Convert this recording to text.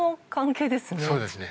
そうですね。